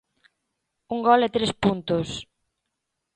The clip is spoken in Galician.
Un gol e tres puntos.